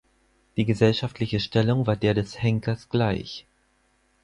Die gesellschaftliche Stellung war der des Henkers gleich.